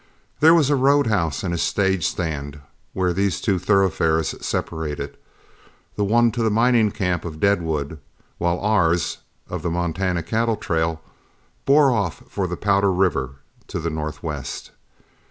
There was a road house and stage stand where these two thoroughfares separated, the one to the mining camp of Deadwood, while ours of the Montana cattle trail bore off for the Powder River to the northwest.